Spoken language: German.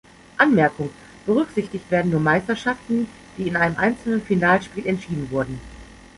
Anmerkung: Berücksichtigt werden nur Meisterschaften, die in einem einzelnen Finalspiel entschieden wurden.